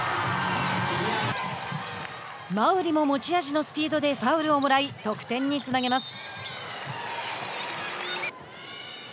馬瓜も持ち味のスピードでファウルをもらい得点につなげます。